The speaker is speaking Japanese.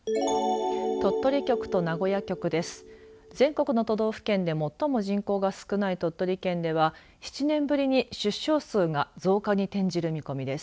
鳥取局と名古屋局です。